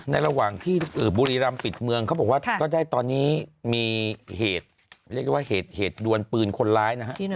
ระหว่างที่บุรีรำปิดเมืองเขาบอกว่าก็ได้ตอนนี้มีเหตุเรียกว่าเหตุดวนปืนคนร้ายนะฮะ